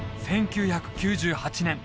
１９９８年